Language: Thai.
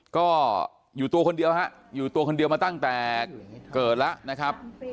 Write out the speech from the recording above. ก็อยู่ตัวคนเดียวฮะอยู่ตัวคนเดียวมาตั้งแต่เกิดแล้วนะครับ